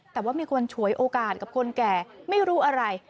แต่ว่ามีคนฉวยโอกาสกับคนแก่ไม่รู้อะไร